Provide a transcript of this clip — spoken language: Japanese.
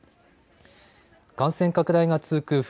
感染拡大が続く